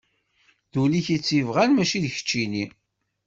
D ul-ik i tt-ibɣan mačči d keččini.